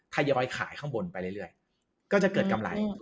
ทยอยขายข้างบนไปเรื่อยก็จะเกิดกำไร